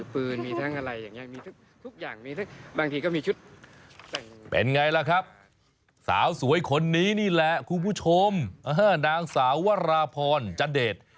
เป็นไงล่ะครับสาวสวยคนนี้นี่แหละคุณผู้ชมนางสาววราพรจัดเดต